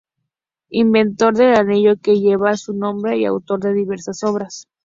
Inventor del anillo que lleva su nombre y autor de diversas obras.